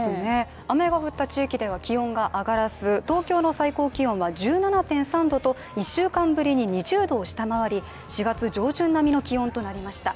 雨が降った地域では、気温が上がらず東京の最高気温は１７．３度と１週間ぶりに２０度を下回り４月上旬並みの気温となりました。